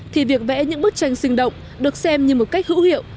thì việc vẽ những bức tranh sinh động được xem như một cách hữu hiệu